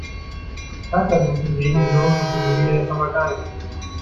Kakadus hingegen gehören zur Familie der Papageien.